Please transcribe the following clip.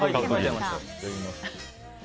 いただきます。